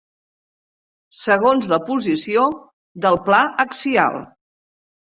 Segons la posició del pla axial.